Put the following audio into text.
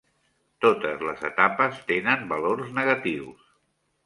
Totes les etapes tenen valors negatius.